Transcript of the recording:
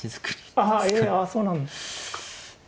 ああいやそうなんですか。